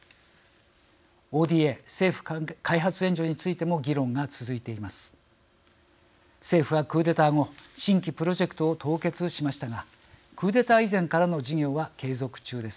ＯＤＡ＝政府開発援助についても議論が続いています。